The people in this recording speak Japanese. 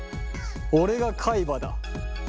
俺が海馬だ。